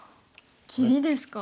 切りですか。